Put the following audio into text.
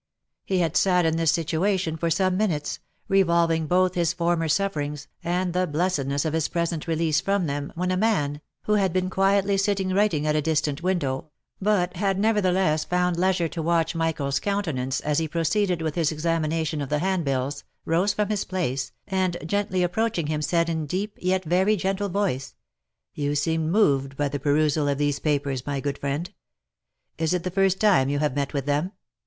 He had sat in this situation for some minutes, revolving both his former sufferings, and the blessedness of his present release from them, when a man, who had been quietly sitting writing at a distant window, but had nevertheless found leisure to watch Michael's countenance as he proceeded with his examination of the handbills, rose from his place, and gently approaching him said, in deep, yet very gentle voice, " You seem moved by the perusal of these papers, my good friend. Is it the first time you have met with them?"